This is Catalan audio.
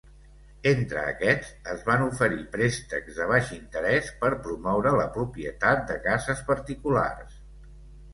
Entre aquests, es van oferir préstecs de baix interès per promoure la propietat de cases particulars.